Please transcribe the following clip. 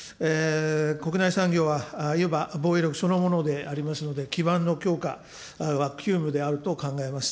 国内産業はいわば防衛力そのものでありますので、基盤の強化は急務であると考えます。